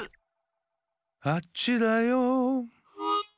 あっちだよ。